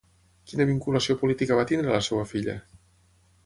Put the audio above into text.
Quina vinculació política va tenir la seva filla?